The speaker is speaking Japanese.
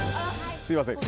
すみません。